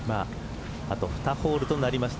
あと２ホールとなりました。